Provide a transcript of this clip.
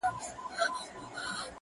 سیاه پوسي ده، برباد دی